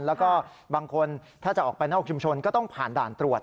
แล้วก็บางคนถ้าจะออกไปนอกชุมชนก็ต้องผ่านด่านตรวจ